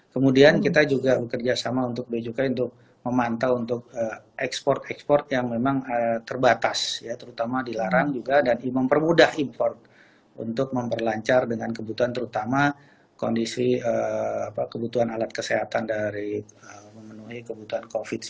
kemudian kita juga bekerjasama untuk beacukai untuk memantau untuk ekspor ekspor yang memang terbatas ya terutama dilarang juga dan mempermudah import untuk memperlancar dengan kebutuhan terutama kondisi kebutuhan alat kesehatan dari memenuhi kebutuhan covid sembilan belas